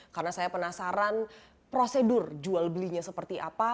karena saya penasaran prosedur jual belinya seperti apa